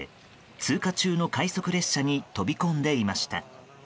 通過中の快速列車に飛び込んでいました。